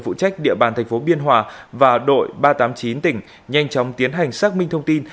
phụ trách địa bàn thành phố biên hòa và đội ba trăm tám mươi chín tỉnh nhanh chóng tiến hành xác minh thông tin